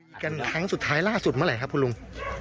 กันครั้งสุดท้ายล่าสุดเมื่อไหร่ครับคุณลุง